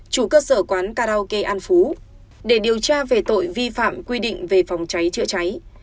chủ cơ sở quán karaoke an phú để điều tra về tội vi phạm quy định về phòng cháy chữa cháy